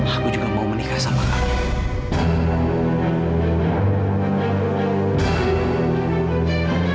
aku juga mau menikah sama aku